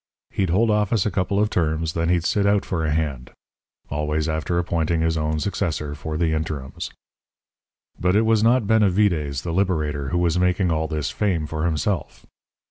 He'd hold office a couple of terms, then he'd sit out for a hand always after appointing his own successor for the interims. "But it was not Benavides, the Liberator, who was making all this fame for himself.